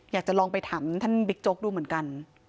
อยากจะลองไปถามท่านบิ๊กโจ๊กดูเหมือนกัน